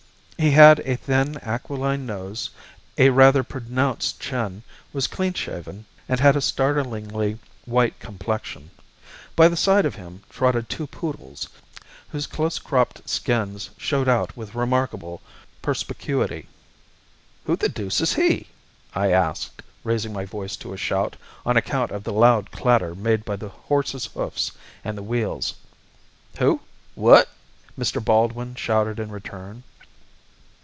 He had a thin, aquiline nose, a rather pronounced chin, was clean shaven, and had a startlingly white complexion. By the side of him trotted two poodles, whose close cropped skins showed out with remarkable perspicuity. "Who the deuce is he?" I asked, raising my voice to a shout on account of the loud clatter made by the horse's hoofs and the wheels. "Who? what?" Mr. Baldwin shouted in return.